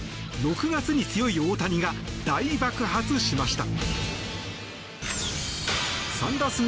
６月に強い大谷が大爆発しました。